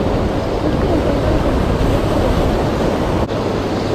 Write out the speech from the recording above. Este efecto se manifiesta de muchas maneras.